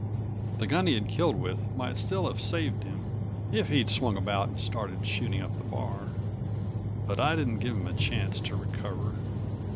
The gun he'd killed with might still have saved him, if he'd swung about and started shooting up the bar. But I didn't give him a chance to recover.